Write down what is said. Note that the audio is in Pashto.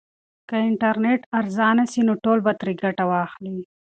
که انټرنیټ ارزانه سي نو ټول به ترې ګټه واخلي.